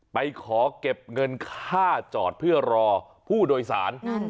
ไปขอเก็บเงินค่าจอดเพื่อรอผู้โดยสาร